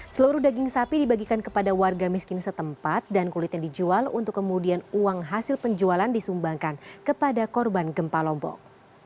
seluruh daging sapi dibagikan kepada warga miskin setempat dan kulitnya dijual untuk kemudian uang hasil penjualan disumbangkan kepada korban gempa lombok